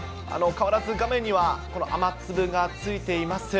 変わらず画面には雨粒がついています。